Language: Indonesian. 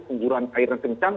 pengguran airnya kencang